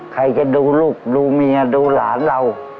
ใครจะดูลูกดูเมียดูหลานเรา